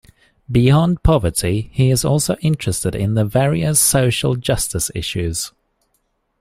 Beyond poverty he is also interested in the various social justice issues.